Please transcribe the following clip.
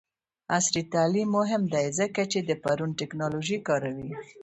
عصري تعلیم مهم دی ځکه چې د ډرون ټیکنالوژي کاروي.